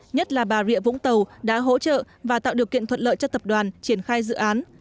nhất là bà rịa vũng tàu đã hỗ trợ và tạo điều kiện thuận lợi cho tập đoàn triển khai dự án